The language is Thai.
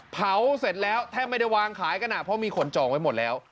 เผาเสร็จแล้วแทบไม่ได้วางขายกันเพราะมีคนจองไว้หมดแล้ว